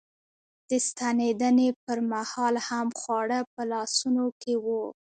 د ستنېدنې پر مهال هم خواړه په لاسونو کې و.